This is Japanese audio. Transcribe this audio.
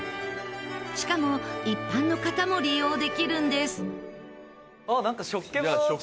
しかも一般の方も利用できるんです。